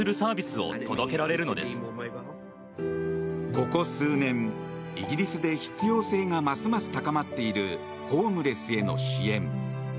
ここ数年、イギリスで必要性がますます高まっているホームレスへの支援。